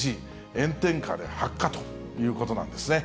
炎天下で発火ということなんですね。